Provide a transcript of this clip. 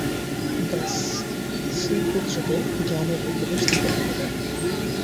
ব্যাস সেই পুত্রকে জ্ঞানের উপদেশ দিতে লাগিলেন।